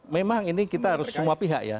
memang ini kita harus semua pihak ya